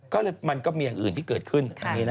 ก็เลยมันก็มีอย่างอื่นที่เกิดขึ้น